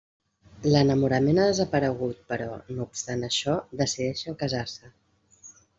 L'enamorament ha desaparegut però, no obstant això, decideixen casar-se.